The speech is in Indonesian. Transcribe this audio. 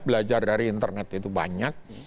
belajar dari internet itu banyak